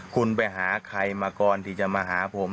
คุณไปหาใครมาก่อนที่จะมาหาผม